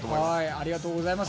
ありがとうございます。